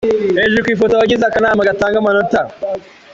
Hejuru ku ifoto: Abagize akanama gatanga amanota.